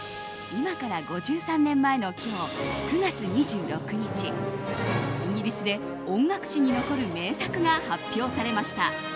今から５３年前の今日９月２６日イギリスで音楽史に残る名作が発表されました。